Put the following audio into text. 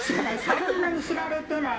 あんまり知られてない。